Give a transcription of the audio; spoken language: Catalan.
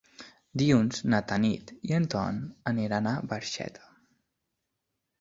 Dilluns na Tanit i en Ton aniran a Barxeta.